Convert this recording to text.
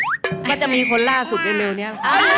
ว่าจะมีคนล่าสุดเร็วเนี่ย